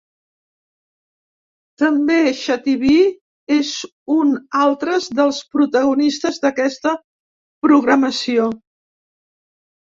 També xativí és un altres dels protagonistes d’aquesta programació.